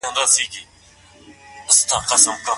کمپيوټر سريال لري.